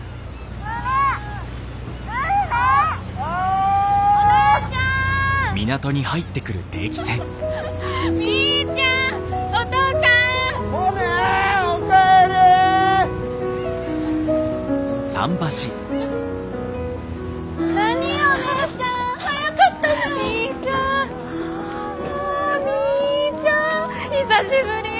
あみーちゃん久しぶり！